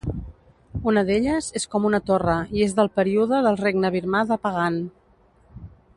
Una d'elles és com una torre i és del període del regne birmà de Pagan.